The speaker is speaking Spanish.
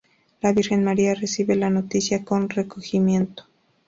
La Virgen María recibe la noticia con recogimiento.